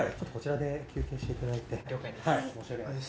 了解です。